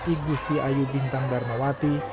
igu stiayu bintang barnawati